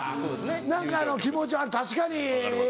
何か気持ちは確かにええ